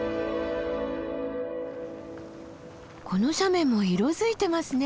この斜面も色づいてますね。